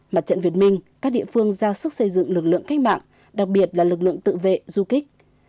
mặt trận việt minh các địa phương ra sức xây dựng lực lượng cách mạng đặc biệt là lực lượng tự vệ du kích